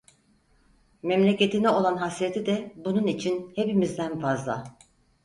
Memleketine olan hasreti de bunun için hepimizden fazla.